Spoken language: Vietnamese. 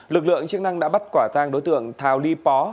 lực lượng chức năng đã bắt quả thang đối tượng thao ly pó